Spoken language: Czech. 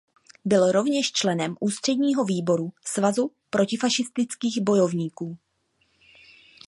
Byl rovněž členem Ústředního výboru Svazu protifašistických bojovníků.